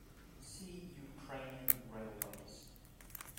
"See Ukrainian Railways"